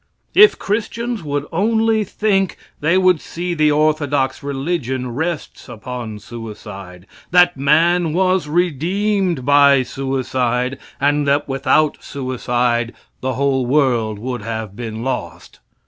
If Christians would only think, they would see the orthodox religion rests upon suicide that man was redeemed by suicide, and that without suicide the whole world would have been lost.